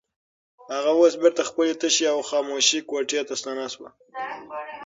هغه اوس بېرته خپلې تشې او خاموشې کوټې ته ستنه شوه.